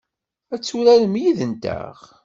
Ad turarem yid-nteɣ?